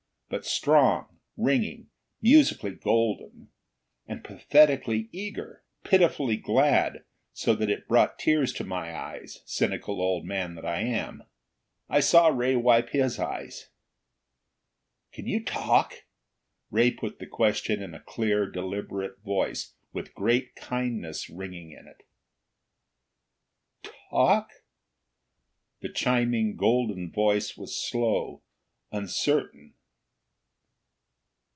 But strong, ringing, musically golden. And pathetically eager, pitifully glad, so that it brought tears to my eyes, cynical old man that I am. I saw Ray wipe his eyes. "Can you talk?" Ray put the question in a clear, deliberate voice, with great kindness ringing in it. "Talk?" The chiming, golden voice was slow, uncertain.